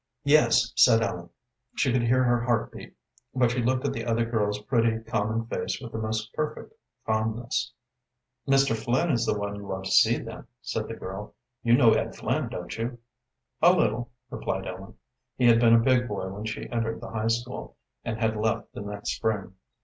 "Yes," said Ellen. She could hear her heart beat, but she looked at the other girl's pretty, common face with the most perfect calmness. "Mr. Flynn is the one you want to see, then," said the girl. "You know Ed Flynn, don't you?" "A little," replied Ellen. He had been a big boy when she entered the high school, and had left the next spring.